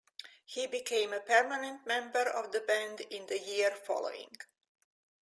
He became a permanent member of the band in the year following.